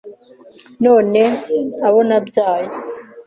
none abo nabyaye